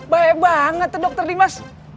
baik banget dokter dimas